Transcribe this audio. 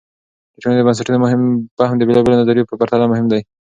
د ټولنې د بنسټونو فهم د بېلابیلو نظریو په پرتله مهم دی.